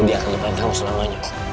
dia akan lupain kamu selamanya